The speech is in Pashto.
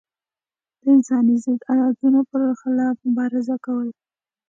د انساني ضد عادتونو پر خلاف مبارزه کول.